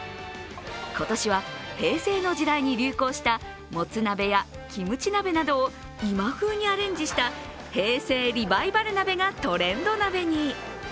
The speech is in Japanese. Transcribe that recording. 今年は平成の時代に流行したもつ鍋やキムチ鍋などを今風にアレンジした平成リバイバル鍋がトレンド鍋に。